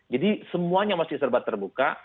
jadi semuanya masih serbat terbuka